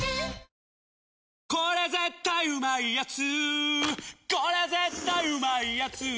「日清これ絶対うまいやつ」